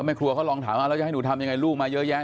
แม่ครัวเขาลองถามว่าแล้วจะให้หนูทำยังไงลูกมาเยอะแยะ